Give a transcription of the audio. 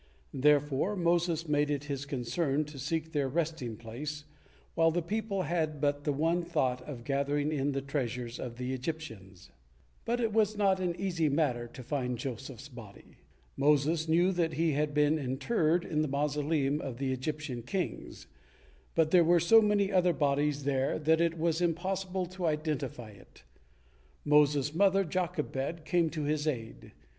Therefore Moses made it his concern to seek their resting place, while the people had but the one thought of gathering in the treasures of the Egyptians. But it was not an easy matter to find Joseph's body. Moses knew that he had been interred in the mausoleum of the Egyptian kings, but there were so many other bodies there that it was impossible to identify it. Moses' mother Jochebed came to his aid.